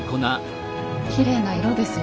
きれいな色ですよね。